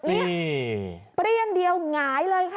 ไม่ได้อย่างเดียวหงายเลยค่ะ